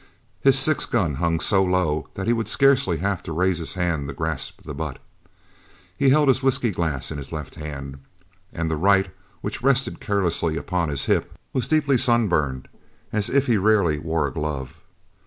His six gun hung so low that he would scarcely have to raise his hand to grasp the butt. He held his whisky glass in his left hand, and the right, which rested carelessly on his hip, was deeply sunburned, as if he rarely wore a glove.